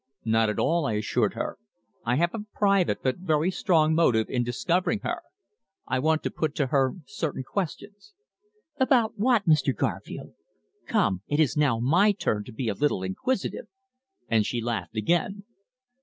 "Not at all," I assured her. "I have a private, but very strong, motive in discovering her. I want to put to her certain questions." "About what, Mr. Garfield? Come, it is now my turn to be a little inquisitive," and she laughed again.